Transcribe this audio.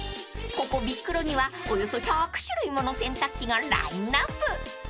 ［ここビックロにはおよそ１００種類もの洗濯機がラインアップ］